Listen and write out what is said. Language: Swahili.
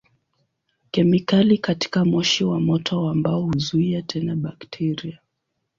Kemikali katika moshi wa moto wa mbao huzuia tena bakteria.